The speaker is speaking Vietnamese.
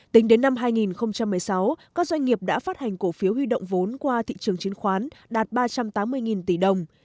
tính đến năm hai nghìn một mươi sáu các doanh nghiệp đã phát hành cổ phiếu huy động vốn qua thị trường chứng khoán đạt ba trăm tám mươi tỷ đồng